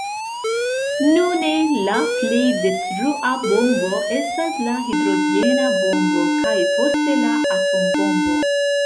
Nune la plej detrua bombo estas la hidrogena bombo kaj poste la atombombo.